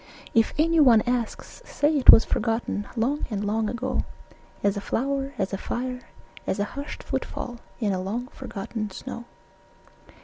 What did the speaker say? If anyone asks, say it was forgotten Long and long ago, As a flower, as a fire, as a hushed footfall In a long forgotten snow.